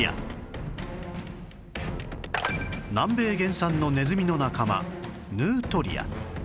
南米原産のネズミの仲間ヌートリア